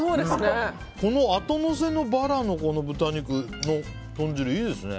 あとのせのバラの豚肉の豚汁いいですね。